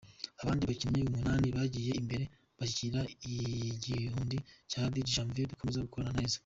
Abandi bakinnyi umunani bagiye imbere bashyikira igikundi cya Hadi Janvier bakomeza gukorana neza.